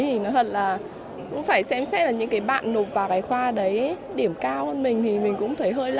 thì nó thật là cũng phải xem xét là những cái bạn nộp vào cái khoa đấy điểm cao hơn mình thì mình cũng thấy hơi là